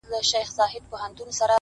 • بيا تس ته سپكاوى كوي بدرنگه ككــرۍ.